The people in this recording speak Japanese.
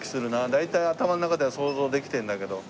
大体頭の中では想像できてるんだけど。